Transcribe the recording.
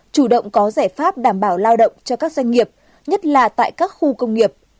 chủ động có giải pháp đảm bảo lao động cho các doanh nghiệp nhất là tại các khu công nghiệp